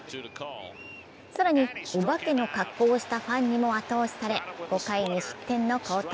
更に、お化けの格好をしたファンにも後押しされ５回２失点の好投。